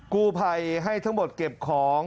กู้ภัยให้ทั้งหมดเก็บของ